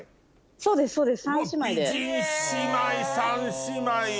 そうですそうです。